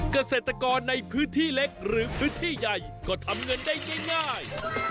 เกษตรกรในพื้นที่เล็กหรือพื้นที่ใหญ่ก็ทำเงินได้ง่าย